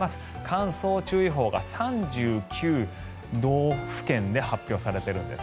乾燥注意報が３９道府県で発表されているんです。